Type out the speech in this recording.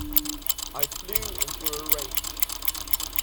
I flew into a rage.